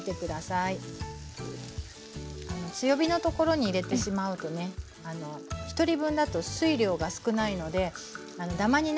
強火のところに入れてしまうとね１人分だと水量が少ないのでダマになることもありますのでね